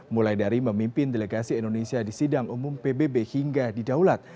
mulai dari memimpin delegasi indonesia di sidang umum pbb hingga didaulat